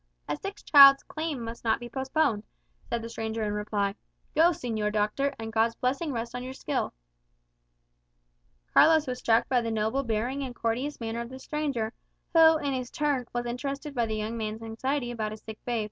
"A sick child's claim must not be postponed," said the stranger in reply. "Go, señor doctor, and God's blessing rest on your skill." Carlos was struck by the noble bearing and courteous manner of the stranger, who, in his turn, was interested by the young man's anxiety about a sick babe.